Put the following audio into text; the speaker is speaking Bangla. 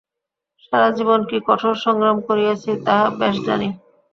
সারা জীবন কি কঠোর সংগ্রাম করিয়াছি, তাহা বেশ জানি।